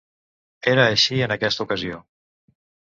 Era així en aquesta ocasió.